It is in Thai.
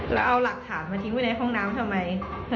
แล้วเอาหลักฐานมาทิ้งไว้ในห้องน้ำทำไม